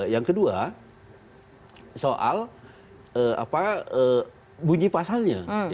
yang kedua soal bunyi pasalnya